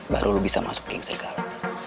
baru lo bisa masuk geng serigala